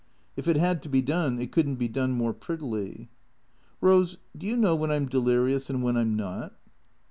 If it had to be done, it could n't be done more prettily. " Eose, do you know when I 'm delirious and when I 'm not?"